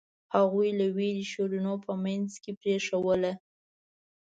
هغوی له وېرې شیرینو په منځ کې پرېښووله.